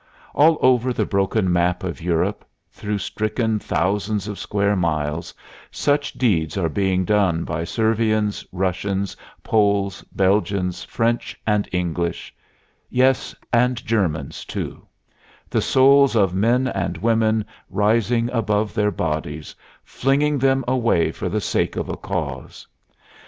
All over the broken map of Europe, through stricken thousands of square miles, such deeds are being done by Servians, Russians, Poles, Belgians, French and English, yes, and Germans too, the souls of men and women rising above their bodies, flinging them away for the sake of a cause.